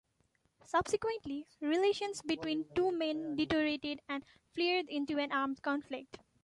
Subsequently, relations between the two men deteriorated and flared into an armed conflict.